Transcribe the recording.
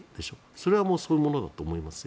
それはそういうものだと思いますよ。